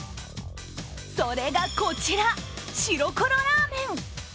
それがこちら、シロコロラーメン。